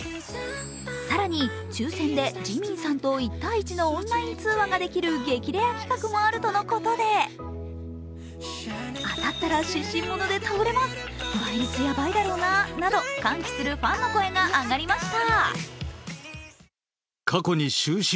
更に抽選でＪＩＭＩＮさんと１対１のオンライン通話ができる激レア企画もあるとのことでなど、歓喜するファンの声が上がりました。